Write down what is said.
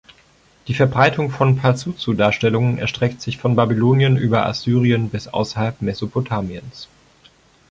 Die Verbreitung von Pazuzu-Darstellungen erstreckt sich von Babylonien über Assyrien bis außerhalb Mesopotamiens.